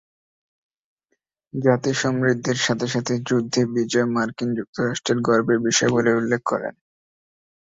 জাতি সমৃদ্ধির সাথে সাথে যুদ্ধে বিজয় মার্কিন যুক্তরাষ্ট্রের গর্বের বিষয় বলে উল্লেখ করেন।